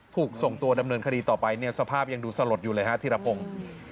ถูกส่งตัวดำเนินคดีต่อไปเนี่ยสภาพยังดูสลดอยู่เลยฮะธิรพงศ์